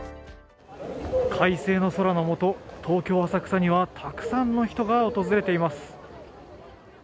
快晴の空の下、東京・浅草にはたくさんの人が訪れています。